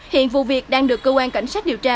hiện vụ việc đang được cơ quan cảnh sát điều tra